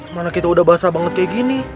mana kita udah basah banget kayak gini